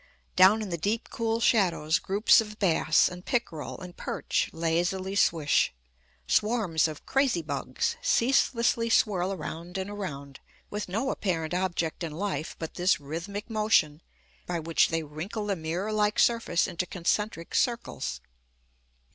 Down in the deep, cool shadows groups of bass and pickerel and perch lazily swish; swarms of "crazy bugs" ceaselessly swirl around and around, with no apparent object in life but this rhythmic motion, by which they wrinkle the mirror like surface into concentric circles.